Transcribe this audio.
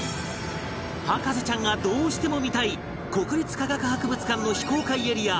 博士ちゃんがどうしても見たい国立科学博物館の非公開エリア